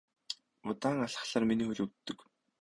Удаан алхахлаар миний хөл өвддөг.